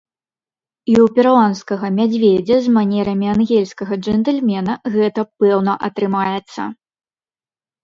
І ў перуанскага мядзведзя з манерамі ангельскага джэнтльмена гэта пэўна атрымаецца!